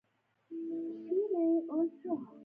د لغمان جوار د سیند ترڅنګ دي.